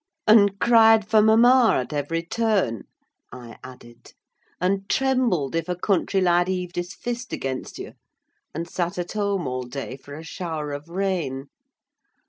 "And cried for mamma at every turn," I added, "and trembled if a country lad heaved his fist against you, and sat at home all day for a shower of rain.